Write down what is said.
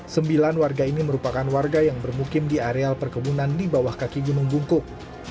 sembilan warga ini merupakan warga yang bermukim di areal perkebunan di bawah kaki gunung bungkuk